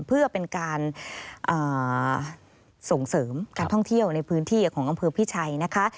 เพื่อเป็นการส่งเสริมการท่องเที่ยวในพื้นที่ของอำเภอพิชัยนะคะ